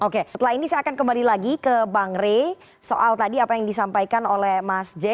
oke setelah ini saya akan kembali lagi ke bang rey soal tadi apa yang disampaikan oleh mas j